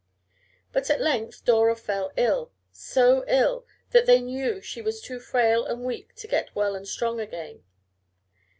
But at length Dora fell ill so ill that they knew she was too frail and weak to get well and strong again.